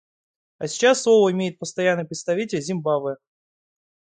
А сейчас слово имеет Постоянный представитель Зимбабве.